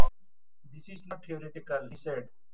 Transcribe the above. "This is not theoretical", he said.